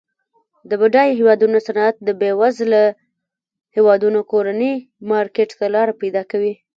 د بډایه هیوادونو صنعت د بیوزله هیوادونو کورني مارکیټ ته لار پیداکوي.